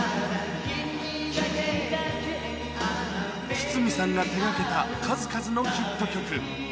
筒美さんが手がけた数々のヒット曲。